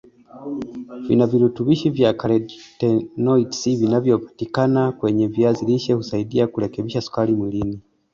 vinavirutubishi vya karotenoids vinavyopatikana kwenye viazi lishe husaidia kurekebisha sukari mwilini